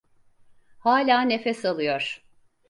Hâlâ nefes alıyor.